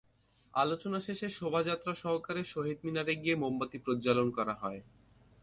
আলোচনা শেষে শোভাযাত্রা- সহকারে শহীদ মিনারে গিয়ে মোমবাতি প্রজ্বালন করা হয়।